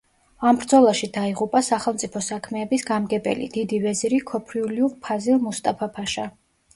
ამ ბრძოლაში დაიღუპა სახელმწიფო საქმეების გამგებელი, დიდი ვეზირი ქოფრიულიუ ფაზილ მუსტაფა-ფაშა.